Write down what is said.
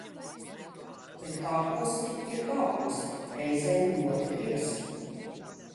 Bet kāposti ir kāposti, reizēm ļoti gribas.